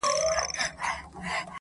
ه ولي په زاړه درد کي پایماله یې.